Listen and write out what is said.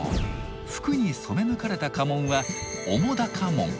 服に染め抜かれた家紋は「沢瀉紋」。